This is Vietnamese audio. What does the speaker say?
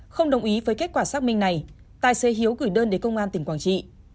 không đồng ý với kết quả xác minh này tài xế hiếu gửi đơn đến công an tỉnh quảng trị